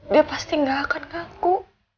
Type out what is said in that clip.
dia pasti gak akan kaku